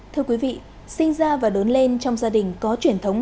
thưa quý vị sinh ra và lớn lên trong gia đình có truyền thống